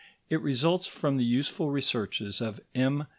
It results from the useful researches of M.